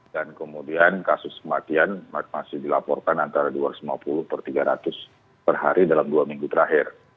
dan kemudian kasus kematian masih dilaporkan antara dua ratus lima puluh per tiga ratus per hari dalam dua minggu terakhir